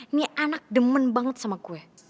ini anak demen banget sama kue